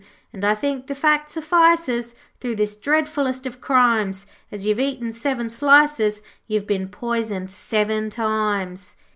And I think the fact suffices Through this dreadfulest of crimes, As you've eaten seven slices You've been poisoned seven times.'